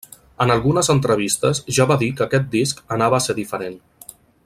En algunes entrevistes ja va dir que aquest disc anava a ser diferent.